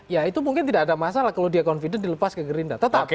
ya itu mungkin tidak ada masalah kalau dia confident dilepas ke gerindra